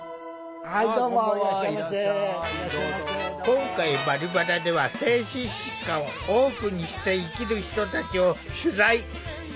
今回「バリバラ」では精神疾患をオープンにして生きる人たちを取材。